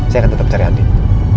saya akan tetap cari adit